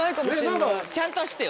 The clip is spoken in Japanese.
ちゃんと走ってよ